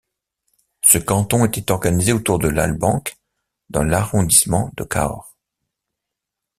Ce canton était organisé autour de Lalbenque dans l'arrondissement de Cahors.